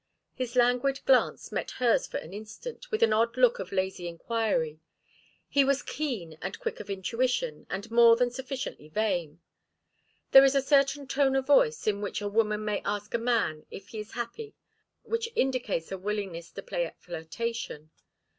His languid glance met hers for an instant, with an odd look of lazy enquiry. He was keen and quick of intuition, and more than sufficiently vain. There is a certain tone of voice in which a woman may ask a man if he is happy which indicates a willingness to play at flirtation.